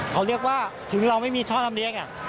เขาเรียกว่าถึงเราไม่มีท่อลำเล็ก